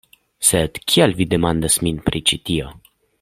Sed kial vi demandas min pri ĉi tio?